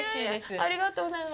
ありがとうございます。